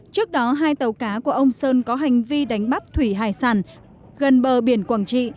trước đó hai tàu cá của ông sơn có hành vi đánh bắt thủy hải sản gần bờ biển quảng trị